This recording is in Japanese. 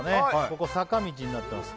ここ坂道になってます